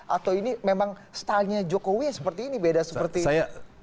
atau ini memang stylenya jokowi seperti ini beda seperti ini